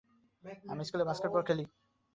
আমি স্কুলে বাস্কেটবল খেলি।